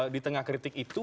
di tengah kritik itu